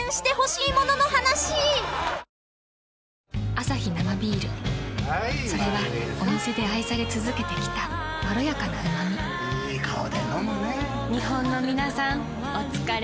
アサヒ生ビールそれはお店で愛され続けてきたいい顔で飲むね日本のみなさんおつかれ生です。